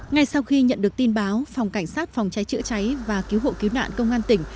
ngay sau khi nhận được tin báo phòng cảnh sát phòng cháy chữa cháy và cứu hộ cứu nạn công an tỉnh